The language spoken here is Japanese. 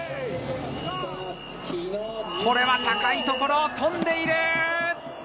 これは高いところを飛んでいる！